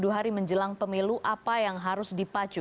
dua hari menjelang pemilu apa yang harus dipacu